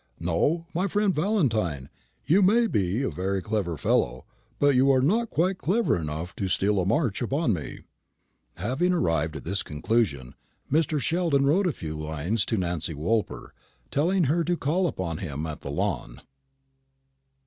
No, my friend Valentine, you may be a very clever fellow, but you are not quite clever enough to steal a march upon me." Having arrived at this conclusion, Mr. Sheldon wrote a few lines to Nancy Woolper, telling her to call upon him at the Lawn.